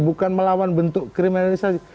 bukan melawan bentuk kriminalisasi